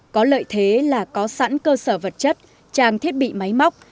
có lợi thế là có sẵn cơ sở vật chất trang thiết bị máy móc